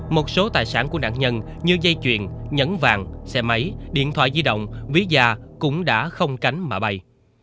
một số tài sản của nạn nhân như dây chuyền nhẫn vàng xe máy điện thoại di động ví da cũng đã không cánh mà bay